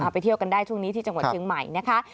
ไปเที่ยวกันได้ช่วงนี้ที่จังหวัดเชียงใหม่นะคะ